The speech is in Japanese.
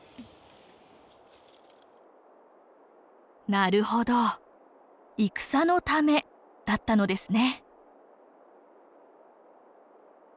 なるほど戦のためだったのですね。